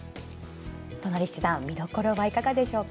都成七段見どころはいかがでしょうか。